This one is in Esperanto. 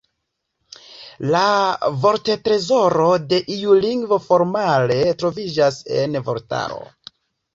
La vorttrezoro de iu lingvo – formale – troviĝas en vortaro.